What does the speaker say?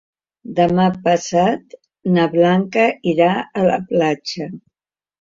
Demà passat na Blanca irà a la platja.